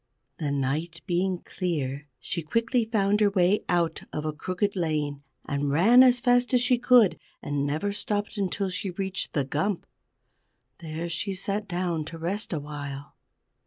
The night being clear, she quickly found her way out of a crooked lane, and ran as fast as she could, and never stopped until she reached the Gump. There she sat down to rest awhile.